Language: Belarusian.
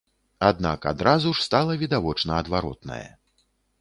Аднак адразу ж стала відавочна адваротнае.